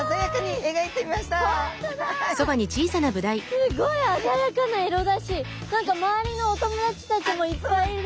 すごい鮮やかな色だし何か周りのお友達たちもいっぱいいる。